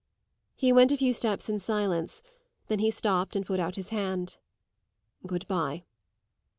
He went a few steps in silence; then he stopped and put out his hand. "Good bye."